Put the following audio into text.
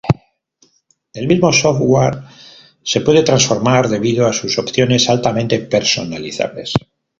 El mismo software se puede transformar debido a sus opciones altamente personalizables.